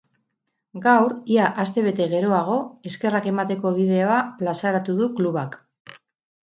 Gaur, ia astebete geroago, eskerrak emateko bideoa plazaratu du klubak.